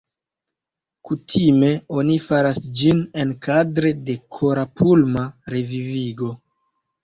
Kutime oni faras ĝin enkadre de kora-pulma revivigo.